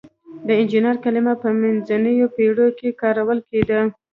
د انجینر کلمه په منځنیو پیړیو کې کارول کیده.